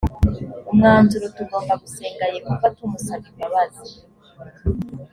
umwanzuro tugomba gusenga yehova tumusaba imbabazi